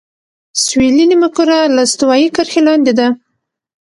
سویلي نیمهکره له استوایي کرښې لاندې ده.